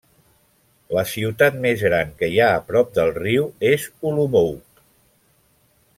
La ciutat més gran que hi ha prop del riu és Olomouc.